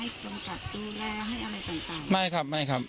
ไม่ได้ให้จนกัดดูแลให้อะไรต่างต่างไม่ครับไม่ครับ